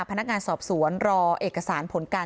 พนักงานสอบสวนรอเอกสารผลการ